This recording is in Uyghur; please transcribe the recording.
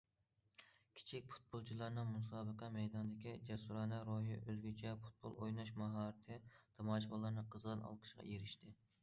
كىچىك پۇتبولچىلارنىڭ مۇسابىقە مەيدانىدىكى جەسۇرانە روھى، ئۆزگىچە پۇتبول ئويناش ماھارىتى تاماشىبىنلارنىڭ قىزغىن ئالقىشىغا ئېرىشتى.